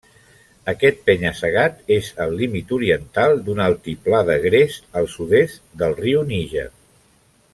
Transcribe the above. Aquest penya-segat és el límit oriental d'un altiplà de gres al sud-est del riu Níger.